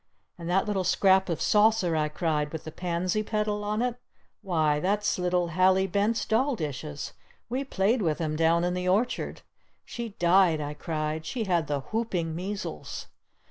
"And that little scrap of saucer," I cried, "with the pansy petal on it? Why Why that's little Hallie Bent's doll dishes! We played with 'em down in the orchard! She died!" I cried. "She had the whooping measles!"